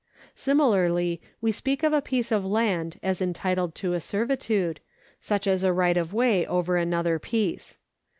Similarly we speak of a piece of land as entitled to a servitude, such as a right of way over another piece.